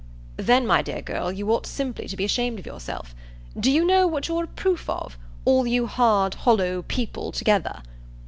"Then, my dear girl, you ought simply to be ashamed of yourself. Do you know what you're a proof of, all you hard hollow people together?"